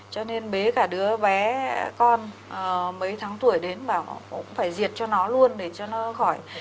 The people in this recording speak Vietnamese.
cho nên bế cả đứa bé con mấy tháng tuổi đến bảo họ cũng phải diệt cho nó luôn để cho nó khỏi